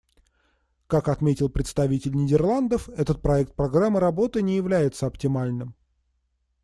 Как отметил представитель Нидерландов, этот проект программы работы не является оптимальным.